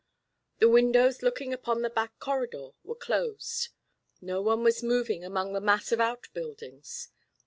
The windows looking upon the back corridor were closed. No one was moving among the mass of outbuildings.